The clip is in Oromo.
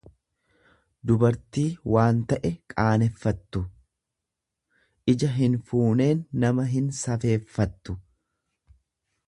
dubartii waan ta'e qaaneffattu; Ija hinfuuneen nama hin safeeffattu.